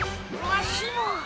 わしも。